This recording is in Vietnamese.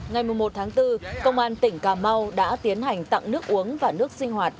ngày một mươi một tháng bốn công an tỉnh cà mau đã tiến hành tặng nước uống và nước sinh hoạt